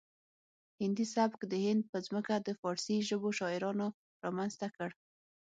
هندي سبک د هند په ځمکه د فارسي ژبو شاعرانو رامنځته کړ